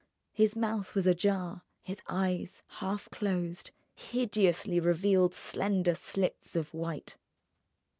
His mouth was ajar; his eyes, half closed, hideously revealed slender slits of white.